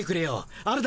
あるだろ？